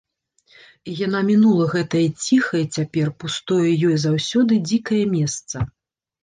І яна мінула гэтае ціхае цяпер, пустое ёй заўсёды дзікае месца.